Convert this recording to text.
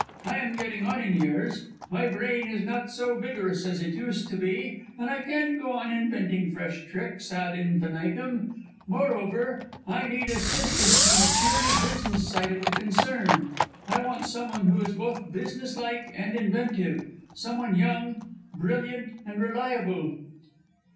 I am getting on in years, my brain is not so vigorous as it used to be, and I can't go on inventing fresh tricks ad infinitum. Moreover, I need assistance in the purely business side of the concern. I want some one who is both business like and inventive some one young, brilliant and reliable."